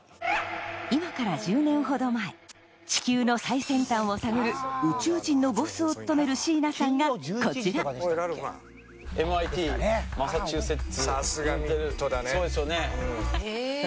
今から１０年ほど前地球の最先端を探る宇宙人のボスを務める椎名さんがこちらＭＩＴマサチューセッツ。